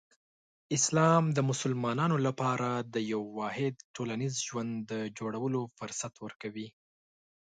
اسلام د مسلمانانو لپاره د یو واحد ټولنیز ژوند جوړولو فرصت ورکوي.